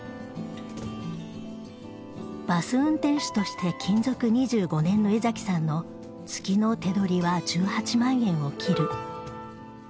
バス運転手として勤続２５年の江崎さんの月の手取りは１８万円を切る。